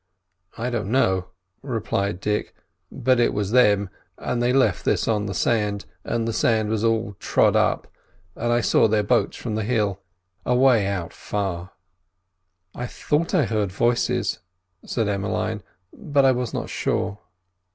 "I don't know," replied Dick, "but it was them; and they left this on the sand, and the sand was all trod up, and I saw their boats from the hill, away out far." "I thought I heard voices," said Emmeline, "but I was not sure."